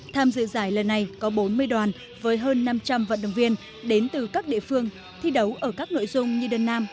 tham dự giải lần này có bốn mươi đoàn với hơn năm trăm linh vận động viên đến từ các địa phương thi đấu ở các nội dung như đơn nam